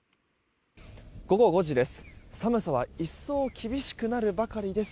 午後５時です。